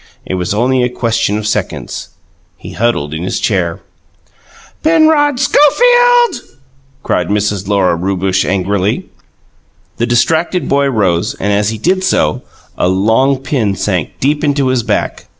It was only a question of seconds. He huddled in his chair. "Penrod Schofield!" cried Mrs. Lora Rewbush angrily. The distracted boy rose and, as he did so, a long pin sank deep into his back.